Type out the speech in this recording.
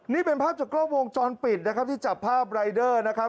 นี่เป็นภาพจากกล้องวงจรปิดนะครับที่จับภาพรายเดอร์นะครับ